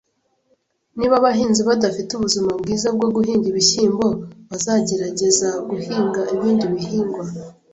Niba abahinzi badafite ubuzima bwiza bwo guhinga ibishyimbo, bazagerageza guhinga ibindi bihingwa